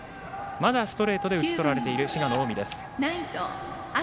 まだストレートで打ち取られている滋賀の近江。